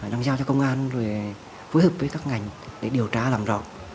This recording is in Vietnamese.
đang giao cho công an rồi phối hợp với các ngành để điều tra làm rõ